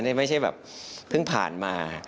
นี่ไม่ใช่แบบเพิ่งผ่านมา